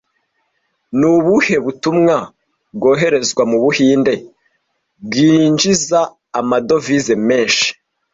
Ni ubuhe butumwa bwoherezwa mu Buhinde bwinjiza amadovize menshi